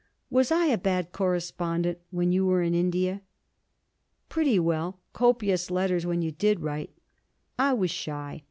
Was I a bad correspondent when you were in India?' 'Pretty well. Copious letters when you did write.' 'I was shy.